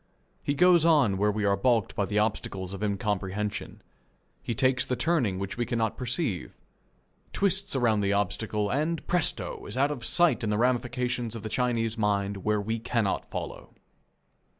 He goes on where we are balked by the obstacles of incomprehension. He takes the turning which we cannot perceive, twists around the obstacle, and, presto! is out of sight in the ramifications of the Chinese mind where we cannot follow.